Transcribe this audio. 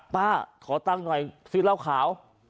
ป๊าขอตั้งหน่อยซื่อเล่าขาว